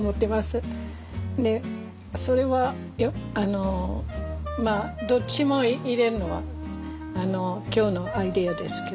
それはどっちも入れるのは今日のアイデアですけどね。